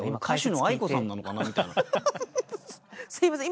すいません